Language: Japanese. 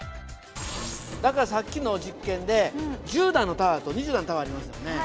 だからさっきの実験で１０段のタワーと２０段のタワーありましたよね。